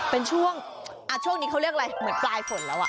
เป็นช่วงช่วงนี้เขาเรียกอะไรเหมือนปลายฝนแล้ว